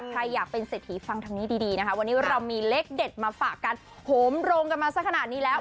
ใครอยากเป็นเศรษฐีฟังทางนี้ดีนะคะวันนี้เรามีเลขเด็ดมาฝากกันโหมโรงกันมาสักขนาดนี้แล้ว